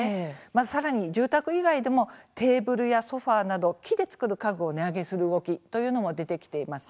さらに住宅以外でもテーブルやソファーなど木で作る家具を値上げする動きも出てきています。